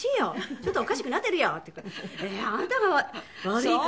「ちょっとおかしくなっているよ」って言うからあなたが悪いからよ。